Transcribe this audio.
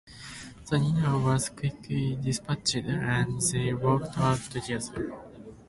The dinner was quickly despatched, and they walked out together.